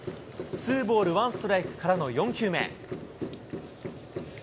ツーボールワンストライクからの４球目。